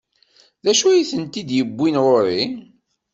D acu i tent-id-iwwin ɣur-i?